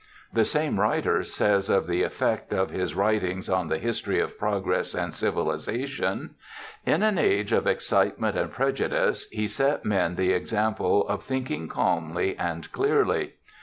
The same writer says of the effect of his writings on the history of progress and civilization :' In an age of excitement and prejudice he set men the example of thinking calmly and clearly.